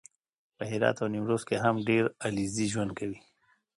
په هرات او نیمروز کې هم ډېر علیزي ژوند کوي